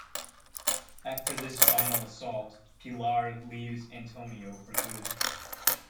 After this final assault, Pilar leaves Antonio for good.